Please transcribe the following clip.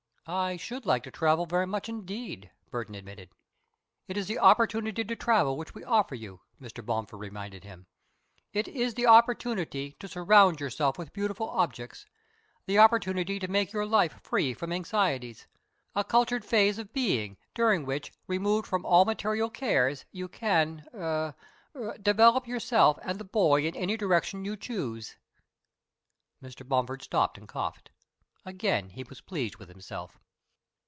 "I should like to travel very much indeed," Burton admitted. "It is the opportunity to travel which we offer you," Mr. Bomford reminded him. "It is the opportunity to surround yourself with beautiful objects, the opportunity to make your life free from anxieties, a cultured phase of being during which, removed from all material cares, you can er develop yourself and the boy in any direction you choose." Mr. Bomford stopped and coughed. Again he was pleased with himself.